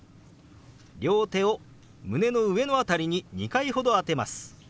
両手を胸の上の辺りに２回ほど当てます。